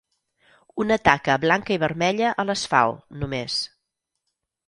Una taca blanca i vermella a l'asfalt, només.